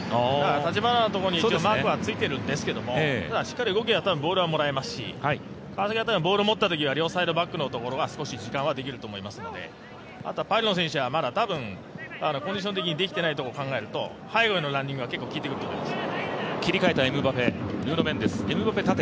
橘田のところに一応マークはついているんですけど、しっかり動けばボールをもらえますし川崎がボールを持ったときは両サイドバックのところが少し時間はできると思いますので、あとはパリの選手はたぶん、コンディション的にできてないことを考えると背後へのランニングが効いてくると思います。